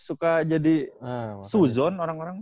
suka jadi suzon orang orang